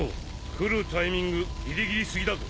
来るタイミングギリギリすぎだぞ。